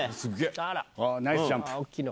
ナイスジャンプ！